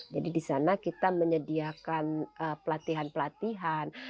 jadi disana kita menyediakan pelatihan pelatihan